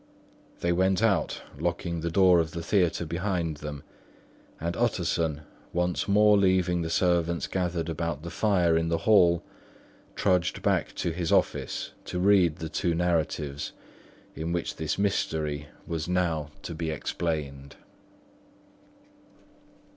They went out, locking the door of the theatre behind them; and Utterson, once more leaving the servants gathered about the fire in the hall, trudged back to his office to read the two narratives in which this mystery was now to be explained.